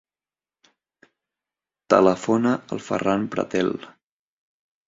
Telefona al Ferran Pretel.